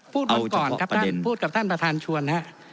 พูดวันก่อนาที่พูดกับท่านประธานชวนครับ